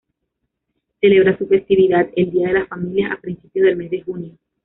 Celebra su festividad, el Día de las Familias a principios del mes de junio.